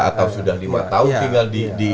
atau sudah lima tahun tinggal di